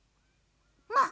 まあ。